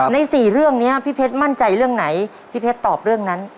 ใน๔เรื่องนี้พี่เพชรมั่นใจเรื่องไหนพี่เพชรตอบเรื่องนั้น